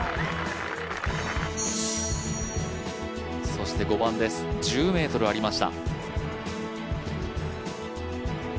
そして５番です、１０ｍありました。